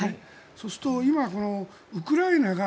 そうすると今、ウクライナが